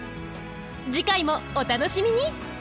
次回もお楽しみに！